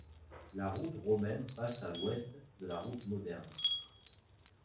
La route romaine passe à l'ouest de la route moderne.